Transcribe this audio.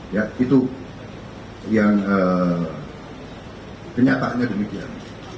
ya itu yang kenyataannya demikian